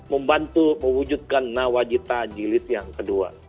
membantu mewujudkan nawajitajilis yang kedua